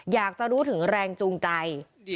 อยากจะรู้ถึงแรงจูงใจ